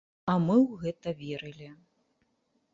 А мы ў гэта верылі.